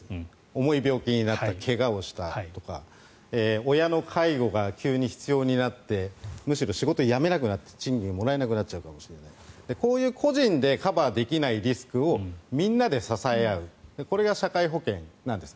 重い病気になったり怪我をしたとか親の介護が急に必要になってむしろ仕事を辞め賃金がもらえなくなるかもしれないこういう個人でカバーできないリスクをみんなで支え合うこれが社会保険なんです。